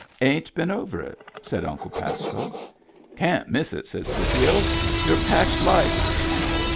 " Ain't been over it," said Uncle Pasco. "Can't miss it," said Scipio. "Your pack's light?"